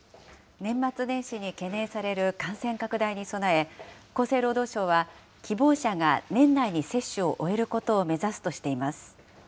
年末年始に懸念される感染拡大に備え、厚生労働省は希望者が年内に接種を終えることを目指すとしています。